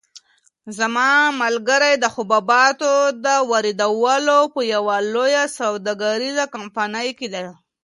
زما ملګری د حبوباتو د واردولو په یوه لویه سوداګریزه کمپنۍ کې دی.